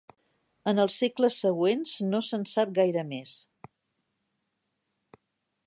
En els segles següents, no se'n sap gaire més.